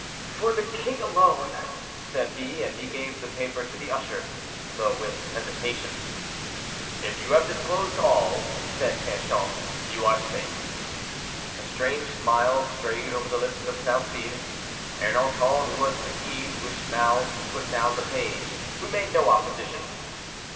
"For the king alone," said he, and he gave the paper to the usher, though with hesitation. "If you have disclosed all," said Tanchon, "you are safe." A strange smile strayed over the lips of Salcede. Ernanton, who was fatigued, wished now to put down the page, who made no opposition.